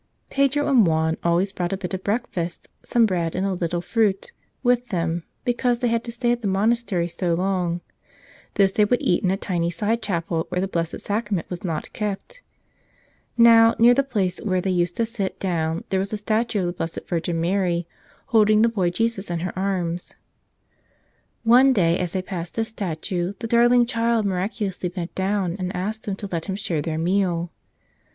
Pedro and Juan always brought a bit of breakfast — some bread and a little fruit — with them, because they had to stay at the monastery so long. This they would then eat in a tiny side chapel where the Blessed Sacrament was not kept. Now, near the place where 80 The Altar Boys of Santarem they used to sit down there was a statue of the Blessed Virgin Mary holding the Boy Jesus in her arms. One day, as they passed this statue, the darling Child miraculously bent down and asked them to let Him share their meal.